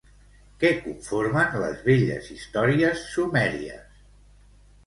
Què conformen les velles històries sumèries?